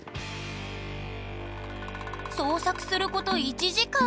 捜索すること１時間。